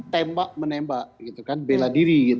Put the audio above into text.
tembak menembak gitu kan bela diri